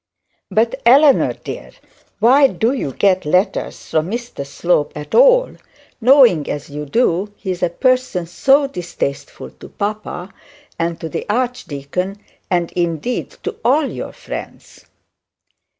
'But, Eleanor dear, why do you get letters from Mr Slope at all, knowing, as you do, he is a person so distasteful to papa, and to the archdeacon, and indeed to all your friends?'